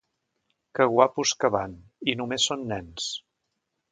Que guapos que van, i només són nens.